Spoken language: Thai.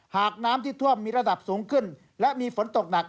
หากน้ำที่ท่วมมีระดับสูงขึ้นและมีฝนตกหนัก